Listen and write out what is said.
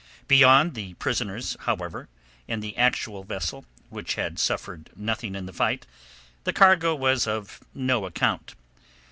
Beyond the prisoners, however, and the actual vessel, which had suffered nothing in the fight, the cargo was of no account.